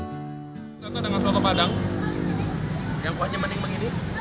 kita tuh dengan soto padang yang kuatnya mending begini